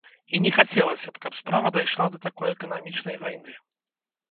І не хацелася б, каб справа дайшла да такой эканамічнай вайны.